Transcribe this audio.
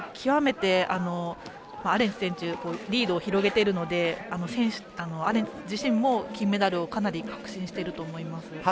アレンツ選手リードを広げているのでアレンツ自身も金メダルをかなり確信していると思います。